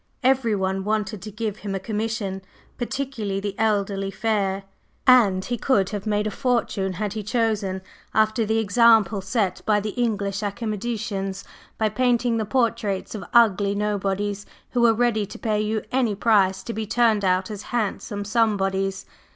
Everyone wanted to give him a commission, particularly the elderly fair, and he could have made a fortune had he chosen, after the example set him by the English academicians, by painting the portraits of ugly nobodies who were ready to pay any price to be turned out as handsome somebodies.